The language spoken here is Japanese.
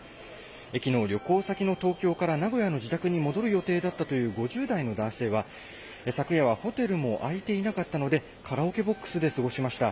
きのう、旅行先の東京から名古屋の自宅に戻る予定だったという５０代の男性は、昨夜はホテルも開いていなかったので、カラオケボックスで過ごしました。